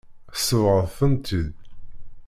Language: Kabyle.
Tsebɣeḍ-ten-id.